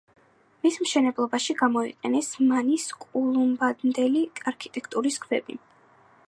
მის მშენებლობაში გამოიყენეს მანის კოლუმბამდელი არქიტექტურის ქვები.